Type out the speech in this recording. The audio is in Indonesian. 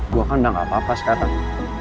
gue kan gak apa apa sekarang